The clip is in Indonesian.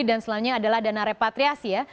selanjutnya adalah dana repatriasi ya